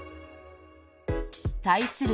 対する